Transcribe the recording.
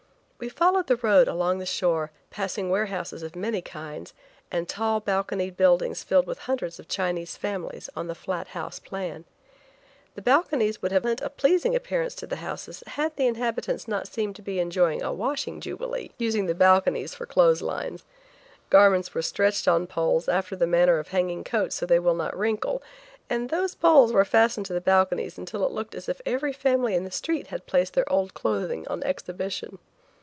We followed the road along the shore, passing warehouses of many kinds and tall balconied buildings filled with hundreds of Chinese families, on the flat house plan. The balconies would have lent a pleasing appearance to the houses had the inhabitants not seemed to be enjoying a washing jubilee, using the balconies for clotheslines. Garments were stretched on poles, after the manner of hanging coats so they will not wrinkle, and those poles were fastened to the balconies until it looked as if every family in the street had placed their old clothing on exhibition.